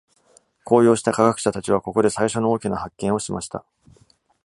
高揚した科学者たちは、ここで最初の大きな発見をしました。